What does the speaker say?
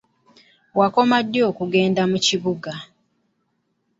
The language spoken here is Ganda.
Wakoma ddi okugenda mu kibuga?